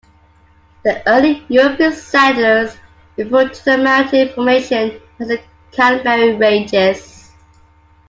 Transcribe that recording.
The early European settlers referred to the mountain formation as the Canberry Ranges.